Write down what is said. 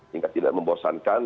hingga tidak membosankan